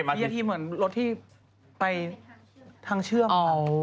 มียาธีเหมือนรถที่ไปทางเชื่อม